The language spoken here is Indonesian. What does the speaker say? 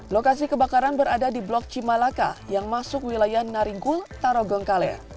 lokasi kebakaran berada di blok cimalaka yang masuk wilayah naringkul tarogongkale